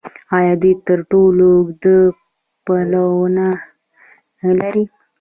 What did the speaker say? آیا دوی تر ټولو اوږده پوله نلري؟